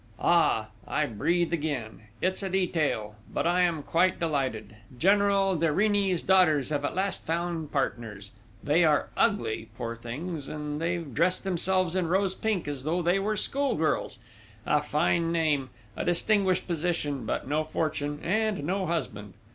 Ah, I breathe again!... It's a detail, but I am quite delighted! General de Rini's daughters have at last found partners: they are ugly, poor things, and they've dressed themselves in rose pink as though they were schoolgirls: a fine name, a distinguished position, but no fortune, and no husband!...